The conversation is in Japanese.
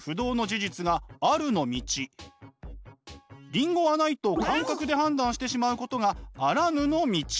リンゴはないと感覚で判断してしまうことがあらぬの道。